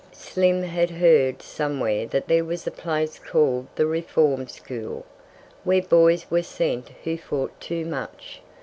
Slim had heard somewhere that there was a place called the Reform School, where boys were sent who fought too much.